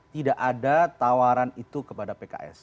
tidak ada tawaran itu kepada pks